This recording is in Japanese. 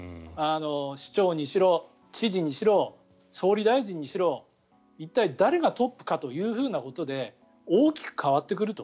市長にしろ知事にしろ総理大臣にしろ一体、誰がトップかということで大きく変わってくると。